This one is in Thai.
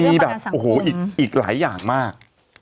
อีกหลายอย่างมาก